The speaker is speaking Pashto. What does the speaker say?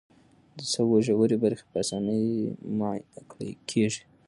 د سږو ژورې برخې په اسانۍ معاینه کېږي.